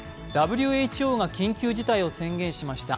ＷＨＯが緊急事態を宣言しました。